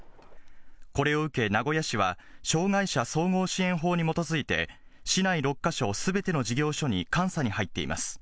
これを受け、名古屋市は障害者総合支援法に基づいて、市内６か所すべての事業所に監査に入っています。